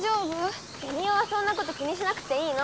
ベニオはそんなこと気にしなくていいの！